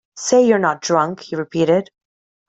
“Say you’re not drunk,” he repeated.